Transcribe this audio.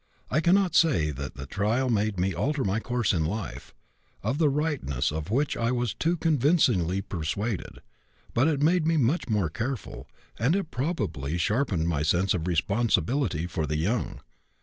I cannot say that the trial made me alter my course of life, of the rightness of which I was too convincingly persuaded, but it made me much more careful, and it probably sharpened my sense of responsibility for the young.